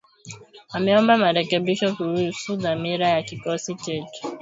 ameomba marekebisho kuhusu dhamira ya kikosi chetu